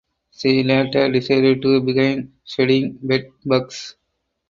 She later decided to begin studying bed bugs.